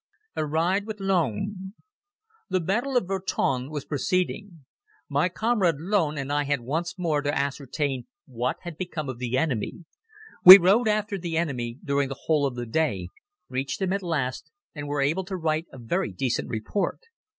A Ride With Loen THE battle of Virton was proceeding. My comrade Loen and I had once more to ascertain what had become of the enemy. We rode after the enemy during the whole of the day, reached him at last and were able to write a very decent report.